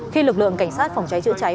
khi lực lượng cảnh sát phòng cháy chữa cháy